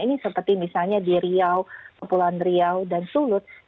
ini seperti misalnya di riau kepulauan riau dan sulut